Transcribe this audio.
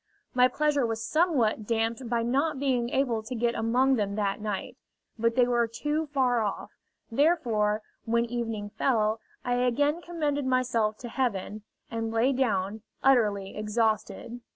My pleasure was somewhat damped by not being able to get among them that night. But they were too far off; therefore, when evening fell, I again commended myself to Heaven, and lay down, utterly exhausted.